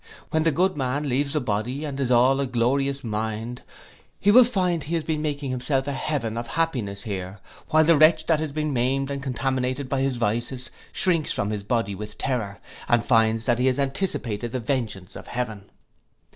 When the good man leaves the body and is all a glorious mind, he will find he has been making himself a heaven of happiness here, while the wretch that has been maimed and contaminated by his vices, shrinks from his body with terror, and finds that he has anticipated the vengeance of heaven.